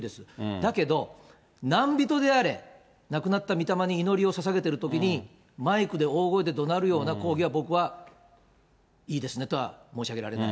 だけど、なんびとであれ、亡くなったみたまに祈りをささげてるときに、マイクで大声で怒鳴るような抗議は、僕はいいですねとは申し上げられない。